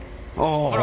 ああ。